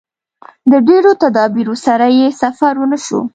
د ډېرو تدابیرو سره یې سفر ونشو.